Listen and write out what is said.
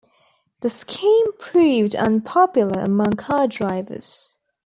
The scheme proved unpopular among car drivers.